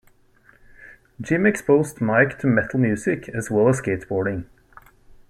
Jim exposed Mike to metal music as well as skateboarding.